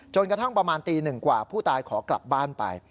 กระทั่งประมาณตีหนึ่งกว่าผู้ตายขอกลับบ้านไป